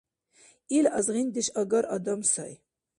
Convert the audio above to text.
Ил азгъиндеш агар адам сай.